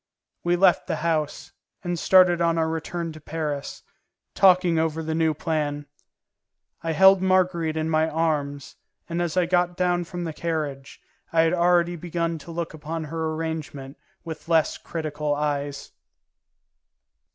We left the house, and started on our return to Paris, talking over the new plan. I held Marguerite in my arms, and as I got down from the carriage, I had already begun to look upon her arrangement with less critical eyes.